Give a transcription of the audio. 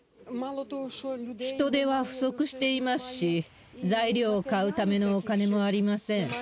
人手は不足していますし、材料を買うためのお金もありません。